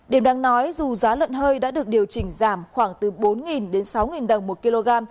điểm đáng nói dù giá lợn hơi đã được điều chỉnh giảm khoảng từ bốn đến sáu đồng một kg